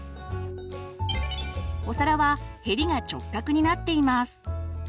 お皿はヘリが直角になっています。